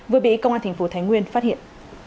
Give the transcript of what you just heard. vừa bị công an thành phố thái nguyên phát hiện